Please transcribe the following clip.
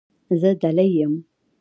زه دلې یم.